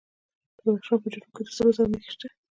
د بدخشان په جرم کې د سرو زرو نښې شته.